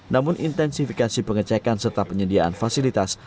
namun intensifikasi pengecekan serta penyediaan fasilitas